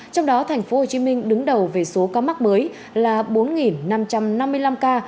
trong đó thành phố hồ chí minh đứng đầu về số ca mắc mới là bốn năm trăm năm mươi năm ca